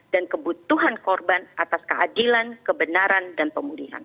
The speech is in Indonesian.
dan kebutuhan korban atas keadilan kebenaran dan pemulihan